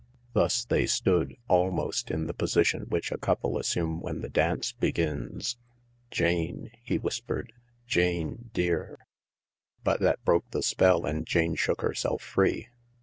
Thus they stood, almost in the position which a couple assume when the dance begins. " Jane," he whispered. " Jane dear/' But that broke the spell, and Jane shook herself free.